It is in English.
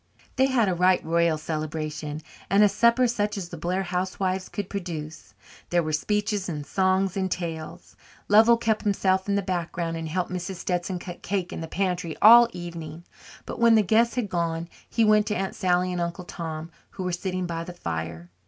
They had a right royal celebration, and a supper such as the Blair housewives could produce. There were speeches and songs and tales. Lovell kept himself in the background and helped Mrs. Stetson cut cake in the pantry all the evening. But when the guests had gone, he went to Aunt Sally and Uncle Tom, who were sitting by the fire.